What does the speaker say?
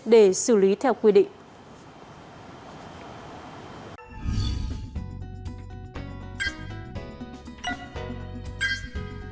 để xử lý theo quy định